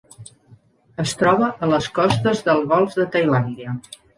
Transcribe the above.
Es troba a les costes del Golf de Tailàndia.